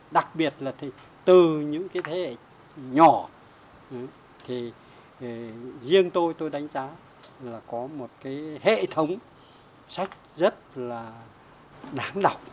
đặc biệt là từ những thế hệ nhỏ riêng tôi đánh giá là có một hệ thống sách rất là đáng đọc